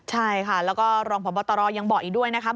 ใช่ค่ะแล้วก็รองผ่อนบอตรอยังบอกอีกด้วยนะคะ